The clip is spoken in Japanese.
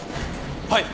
はい。